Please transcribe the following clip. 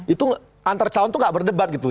itu antar calon itu gak berdebat gitu